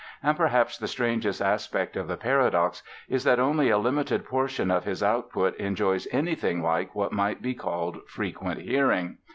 And perhaps the strangest aspect of the paradox is that only a limited portion of his output enjoys anything like what might be called frequent hearing.